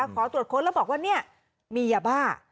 ขอตรวจค้นแล้วบอกว่าเนี่ยมียาบ้า